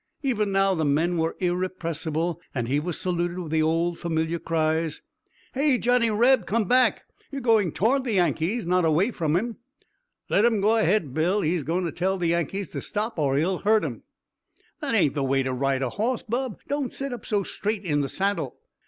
Even now the men were irrepressible and he was saluted with the old familiar cries: "Hey, Johnny Reb, come back! You're going toward the Yankees, not away from 'em." "Let him go ahead, Bill. He's goin' to tell the Yankees to stop or he'll hurt 'em." "That ain't the way to ride a hoss, bub. Don't set up so straight in the saddle."